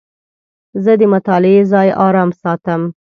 زه د مطالعې ځای آرام ساتم.